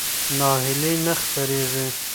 ناهیلي نه خپرېږي.